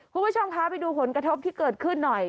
คุณผู้ชมคะไปดูผลกระทบที่เกิดขึ้นหน่อย